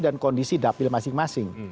dan kondisi dapil masing masing